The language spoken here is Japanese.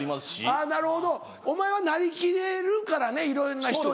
あぁなるほどお前はなりきれるからねいろんな人に。